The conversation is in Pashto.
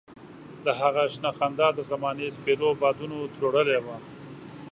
د هغه شنه خندا د زمانې سپېرو بادونو تروړلې وه.